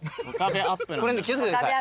これ気を付けてください。